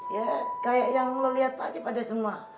ya kayak yang lo lihat aja pada semua